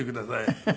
フフ。